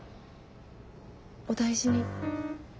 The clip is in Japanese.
お大事に。